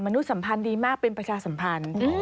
นุษยสัมพันธ์ดีมากเป็นประชาสัมพันธ์